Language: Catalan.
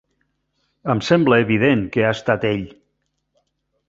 Em sembla evident que ha estat ell.